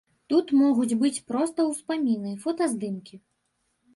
Тут могуць быць проста ўспаміны, фотаздымкі.